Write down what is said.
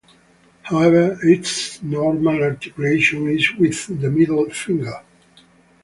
However, it's normal articulation is with the middle finger.